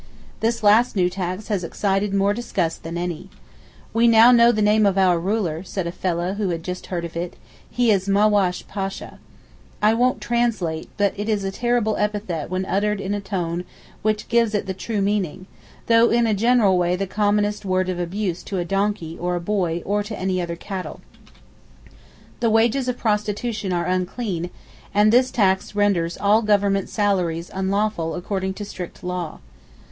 This last new tax has excited more disgust than any. 'We now know the name of our ruler,' said a fellah who had just heard of it, 'he is Mawas Pasha.' I won't translate—but it is a terrible epithet when uttered in a tone which gives it the true meaning, though in a general way the commonest word of abuse to a donkey, or a boy, or any other cattle. The wages of prostitution are unclean, and this tax renders all Government salaries unlawful according to strict law.